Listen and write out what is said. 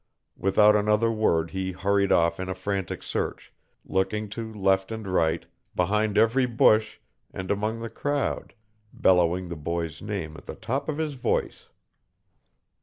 Without another word he hurried off in a frantic search, looking to left and right, behind every bush, and among the crowd, bellowing the boy's name at the top of his voice.